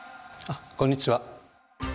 こんにちは。